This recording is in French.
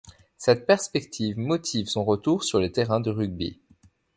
Cette perspective motive son retour sur les terrains de rugby.